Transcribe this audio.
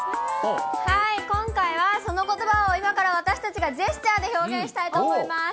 はい、今回はそのことばを今から私たちがジェスチャーで表現したいと思います。